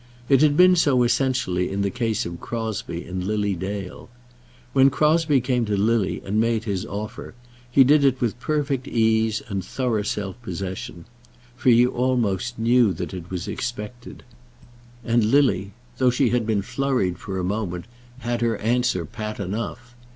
It had been so essentially in the case of Crosbie and Lily Dale. When Crosbie came to Lily and made his offer, he did it with perfect ease and thorough self possession, for he almost knew that it was expected. And Lily, though she had been flurried for a moment, had her answer pat enough.